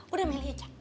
udah meli aja